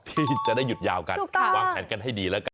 ที่จะได้หยุดยาวกันวางแผนกันให้ดีแล้วกัน